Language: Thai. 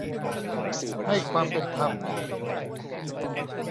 ให้ความเป็นธรรม